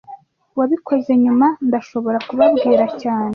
Wabikoze nyuma, ndashobora kubabwira cyane